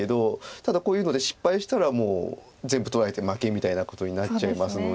ただこういうので失敗したらもう全部取られて負けみたいなことになっちゃいますので。